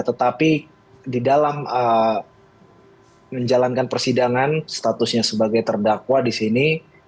tetapi di dalam menjalankan persidangan statusnya sebagai terdakwa di sini